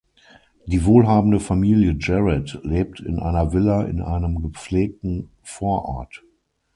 Die wohlhabende Familie Jarrett lebt in einer Villa in einem gepflegten Vorort.